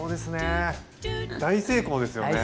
大成功ですよね。